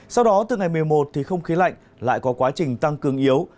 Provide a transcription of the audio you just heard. sau đó từ ngày một mươi một thì không khí lạnh lại có quá trình tăng cường yếu